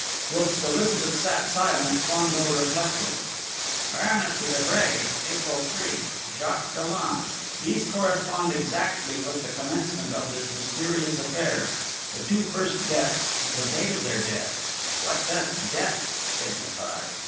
Whilst Elizabeth sat silent, Fandor reflected: "Baroness de Vibray, April 3. Jacques Dollon ... these correspond exactly with the commencement of this mysterious affair: the two first deaths, and the date of their death.... What does Dep. signify?